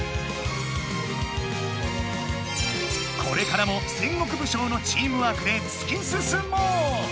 これからも戦国武将のチームワークで突き進もう！